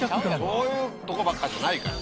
そういうとこばっかじゃないから。